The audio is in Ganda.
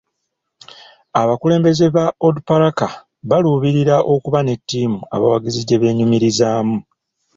Abakulembeze ba Onduparaka baluubirira okuba ne ttiimu abawagizi gye beenyumirizaamu.